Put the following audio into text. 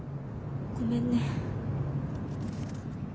ごめんね。